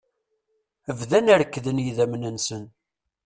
Bdan rekkden yidamen-nsen.